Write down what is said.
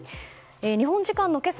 日本時間の今朝